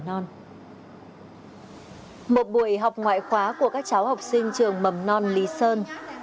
một buổi học ngoại khóa của các cháu học sinh trường mầm non lý sơn